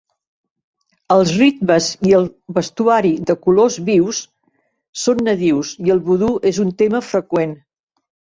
Els ritmes i el vestuari de colors vius són nadius, i el vudú és un tema freqüent.